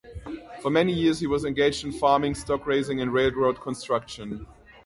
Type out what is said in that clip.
For many years he was engaged in farming, stock-raising, and railroad construction.